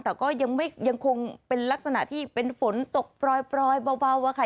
แต่ก็ยังไม่ยังคงเป็นลักษณะที่เป็นฝนตกปลอยปลอยเบาเบาอะค่ะ